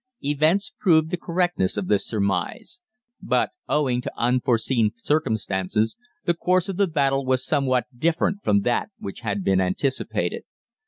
Events proved the correctness of this surmise; but owing to unforeseen circumstances, the course of the battle was somewhat different from that which had been anticipated.